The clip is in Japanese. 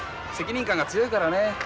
責任感が強いからね。